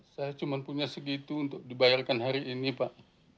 saya cuma punya segitu untuk dibayarkan hari ini pak